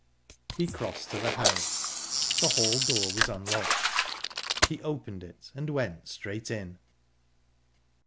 He crossed to the house. The hall door was unlocked; he opened it, and went straight in.